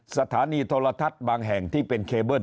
สถานีโทรทัศน์บางแห่งที่เป็นเคเบิ้ล